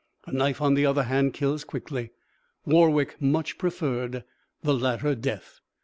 A knife, on the other hand, kills quickly. Warwick much preferred the latter death.